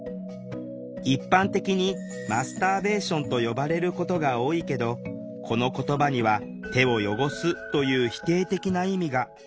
一般的にマスターベーションと呼ばれることが多いけどこの言葉には「手を汚す」という否定的な意味が。